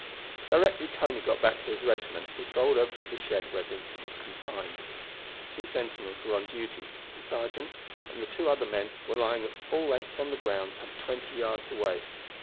Directly Tony got back to his regiment he strolled over to the shed where Vincent was confined. Two sentinels were on duty, the sergeant and the two other men were lying at full length en the ground some twenty yards away.